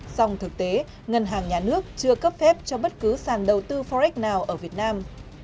song thực tế ngân hàng nhà nước chưa cấp phép cho bất cứ sàn đầu tư forex nào ở việt nam